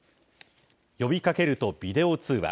呼びかけるとビデオ通話。